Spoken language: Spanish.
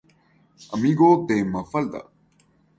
Amigo de Mafalda.